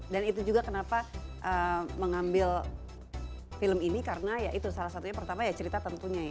dan itu juga kenapa mengambil film ini karena ya itu salah satunya pertama ya cerita tentunya ya